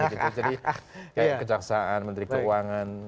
jadi kayak kejaksaan menteri keuangan